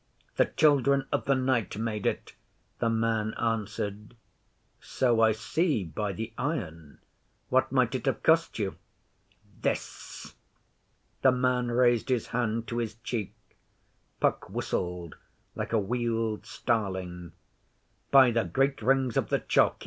The Children of the Night made it,' the man answered. 'So I see by the iron. What might it have cost you?' 'This!' The man raised his hand to his cheek. Puck whistled like a Weald starling. 'By the Great Rings of the Chalk!